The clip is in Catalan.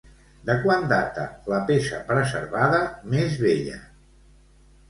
De quan data la peça preservada més vella?